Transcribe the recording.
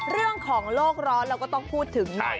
เรื่องของโลกร้อนเราก็ต้องพูดถึงหน่อย